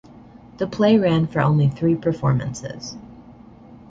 The play ran for only three performances.